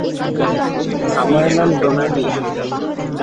আমার নাম ডোনাগি।